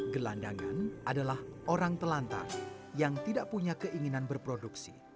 gelandangan adalah orang telantar yang tidak punya keinginan berproduksi